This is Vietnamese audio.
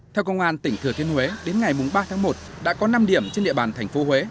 theo công an tỉnh thừa thiên huế đến ngày ba tháng một đã có năm điểm trên địa bàn thành phố huế